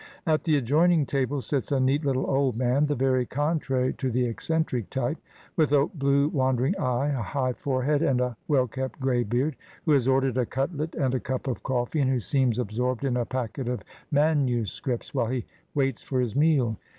At the adjoining table sits a neat little old man, the very contrary to the eccentric type, with a blue wandering eye, a high forehead, and a well kept grey beard, who has ordered a cutlet and a cup of coflee, and who seems absorbed in a packet of MSS. while he waits for his meal.